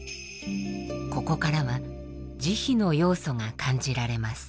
ここからは慈悲の要素が感じられます。